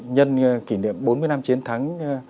nhân kỷ niệm bốn mươi năm chiến thắng